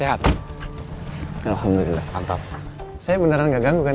hai yo yo sehat alhamdulillah mantap saya beneran nggak ganggu kan